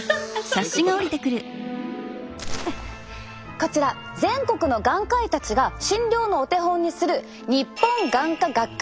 こちら全国の眼科医たちが診療のお手本にする日本眼科学会